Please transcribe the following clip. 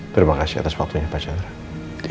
terima kasih atas waktunya pak chandra